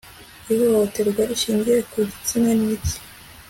ihohoterwa rishingiye ku gitsina n'iki